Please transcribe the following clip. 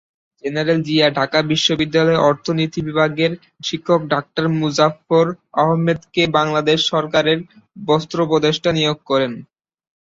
General Zia Dhaka বিশ্ববিদ্যালয়ের অর্থনীতি বিভাগের শিক্ষক ডাক্তার মুজাফফর আহমদকে বাংলাদেশ সরকারের বস্ত্র উপদেষ্টা নিয়োগ করেন।